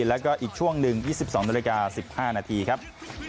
และก็อีกช่วง๑๒๒นาฬิกา๑๕นาทีครับ